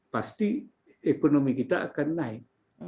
pasti ekonomi kita akan naik